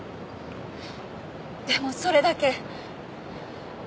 でもそれだけ。